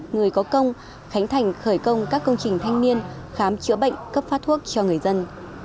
người có công khánh thành khởi công các công trình thanh niên khám chữa bệnh cấp phát thuốc cho người dân